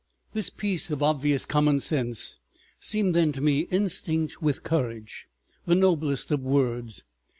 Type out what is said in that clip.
This piece of obvious common sense seemed then to me instinct with courage, the noblest of words.